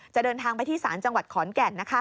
เดินทางไปที่ศาลจังหวัดขอนแก่น